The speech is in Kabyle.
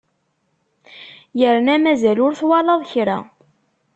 Yerna mazal ur twalaḍ kra!